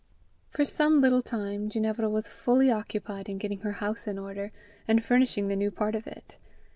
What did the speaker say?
For some little time Ginevra was fully occupied in getting her house in order, and furnishing the new part of it.